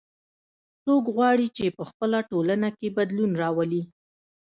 څوک غواړي چې په خپله ټولنه کې بدلون راولي